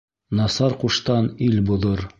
Насар ҡуштан ил боҙор